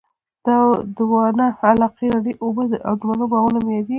د واڼه علاقې رڼې اوبه او د مڼو باغونه مي ياديږي